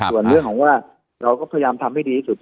ส่วนเรื่องของว่าเราก็พยายามทำให้ดีที่สุด